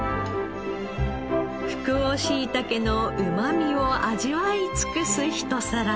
福王しいたけのうまみを味わい尽くす一皿に。